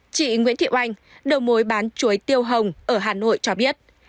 chị nguyễn thị oanh đầu mối bán chuối tiêu hồng ở hà nội cho biết